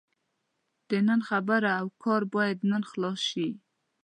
د نن خبره او کار باید نن خلاص شي.